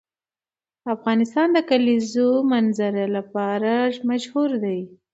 افغانستان د د کلیزو منظره لپاره مشهور دی.